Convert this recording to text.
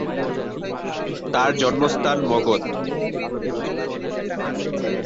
তার জন্মস্থান মগধ।